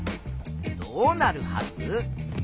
どうなるはず？